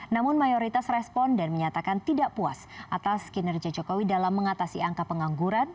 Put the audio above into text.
namun mayoritas responden menyatakan tidak puas atas kinerja jokowi dalam mengatasi angka pengangguran